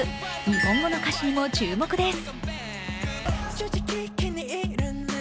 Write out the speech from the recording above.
日本語の歌詞にも注目です！